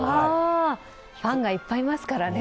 ファンがいっぱいいますからね。